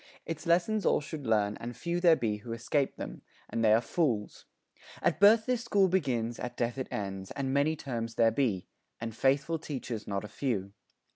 Its lessons all should learn, And few there be who escape them and they are fools. At birth this school begins, at death it ends, And many terms there be, and faithful teachers Not a few.